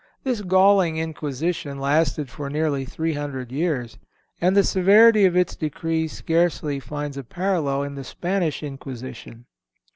This galling Inquisition lasted for nearly three hundred years, and the severity of its decrees scarcely finds a parallel in the Spanish Inquisition.